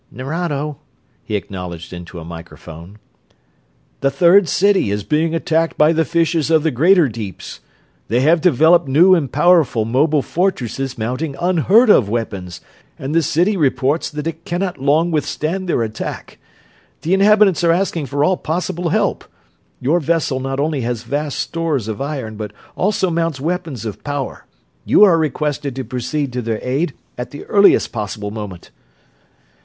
"Nerado," he acknowledged into a microphone. "The Third City is being attacked by the fishes of the greater deeps. They have developed new and powerful mobile fortresses mounting unheard of weapons and the city reports that it cannot long withstand their attack. The inhabitants are asking for all possible help. Your vessel not only has vast stores of iron, but also mounts weapons of power. You are requested to proceed to their aid at the earliest possible moment."